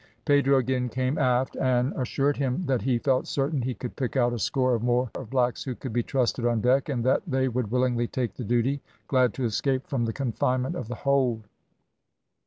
Pedro again came aft, and assured him that he felt certain he could pick out a score or more of blacks who could be trusted on deck, and that they would willingly take the duty, glad to escape from the confinement of the hold.